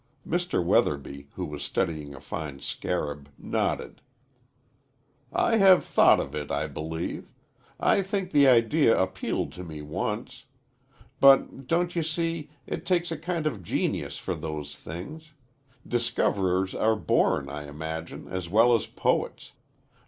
Mr. Weatherby, who was studying a fine scarab, nodded. "I have thought of it, I believe. I think the idea appealed to me once. But, don't you see, it takes a kind of genius for those things. Discoverers are born, I imagine, as well as poets.